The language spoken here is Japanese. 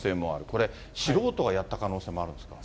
これ、素人がやった可能性もあるんですか。